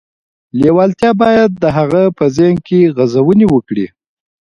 لېوالتیا باید د هغه په ذهن کې غځونې وکړي